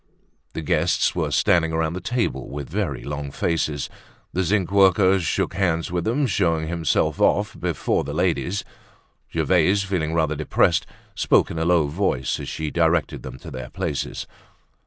The guests were standing round the table with very long faces. The zinc worker shook hands with them, showing himself off before the ladies. Gervaise, feeling rather depressed, spoke in a low voice as she directed them to their places.